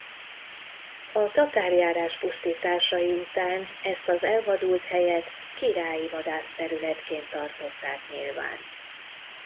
A tatárjárás pusztításai után ezt az elvadult helyet királyi vadászterületként tartották nyilván.